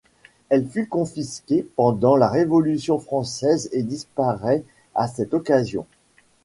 Elle fut confisquée pendant la révolution française et disparait à cette occasion.